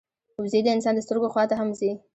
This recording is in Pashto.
وزې د انسان د سترګو خوا ته هم ځي